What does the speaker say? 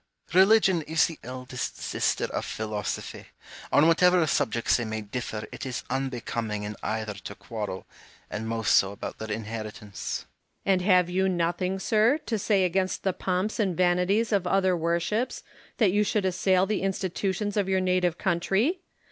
Hume. Religion is the eldest sister of Philosophy : on whatever subjects they may differ, it is unbecoming in either to quarrel, and most so about their inheritance. Home. And have you nothing, sir, to say against the pomps and vanities of other worships, that you should assail the institutions of your native country